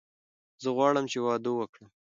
زه غواړم چې واده وکړم.